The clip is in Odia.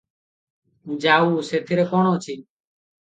ଯାଉ, ସେଥିରେ କଣ ଅଛି?